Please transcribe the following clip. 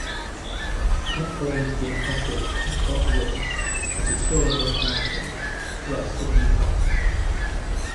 It forms the impressive caprock ridge of the Shawangunk Mountains west of New Paltz.